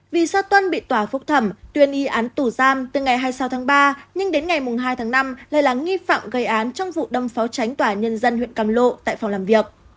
vì xác tuân bị tòa phúc thẩm tuyên y án tù giam từ ngày hai mươi sáu ba nhưng đến ngày hai năm lại là nghi phạm gây án trong vụ đâm pháo tránh tòa nhân dân huyện căm lộ tại phòng làm việc